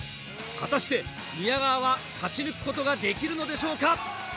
果たして宮川は勝ち抜くことができるのでしょうか？